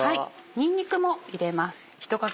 にんにくも入れます。